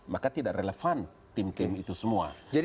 maka tidak relevan tim tim itu semua